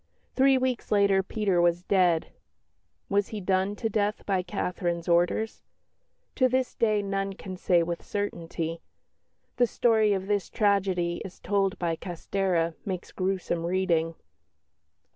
Three weeks later Peter was dead; was he done to death by Catherine's orders? To this day none can say with certainty. The story of this tragedy as told by Castèra makes gruesome reading.